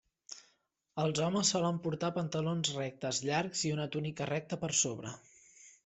Els homes solen portar pantalons rectes llargs i una túnica recta per sobre.